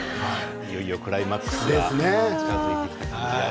いよいよクライマックスが近づいてきましたね。